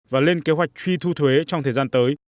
và lên kế hoạch truy thu thuế trong thời gian tới